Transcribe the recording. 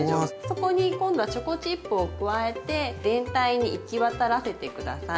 そこに今度はチョコチップを加えて全体に行き渡らせて下さい。